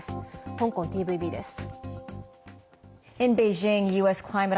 香港ＴＶＢです。